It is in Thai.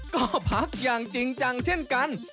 ก็พักอย่างจริงจังเช่นกัน